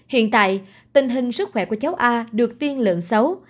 hiện tại tình hình sức khỏe của cháu a được tiên lượng xấu